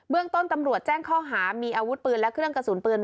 เรื่องต้นตำรวจแจ้งข้อหามีอาวุธปืนและเครื่องกระสุนปืน